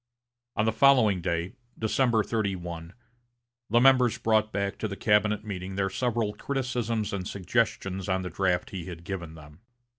On the following day, December 31, the members brought back to the cabinet meeting their several criticisms and suggestions on the draft he had given them.